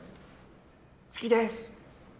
好きです！と。